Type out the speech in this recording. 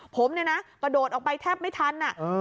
ผมเนี่ยนะกระโดดออกไปแทบไม่ทัน